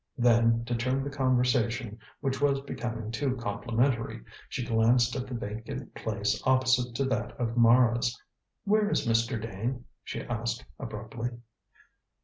Then, to turn the conversation, which was becoming too complimentary, she glanced at the vacant place opposite to that of Mara's. "Where is Mr. Dane?" she asked abruptly.